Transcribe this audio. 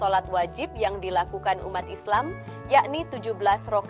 inilah yang memudahkan orang luar biasa untuk berbicara tentang d unclearduyuk